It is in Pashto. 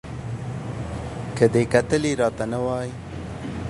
که دې کتلي را ته نه وای